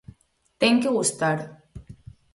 Ten que gustar.